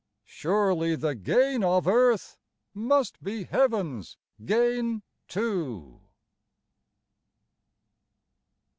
Surely the gain of earth must be Heaven's gain too."